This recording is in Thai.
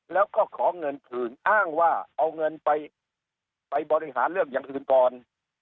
แล้วก็ขอเงินคืนอ้างว่าเอาเงินไปไปบริหารเรื่องอย่างอื่นก่อน